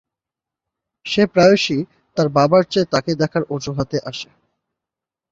সে প্রায়শই তার বাবার চেয়ে তাকে দেখার অজুহাতে আসে।